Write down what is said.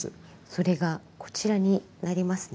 それがこちらになりますね。